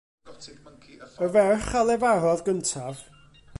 Y ferch a lefarodd gyntaf.